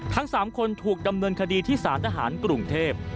ทั้ง๓คนถูกดำเนินคดีที่สารทหารกรุงเทพ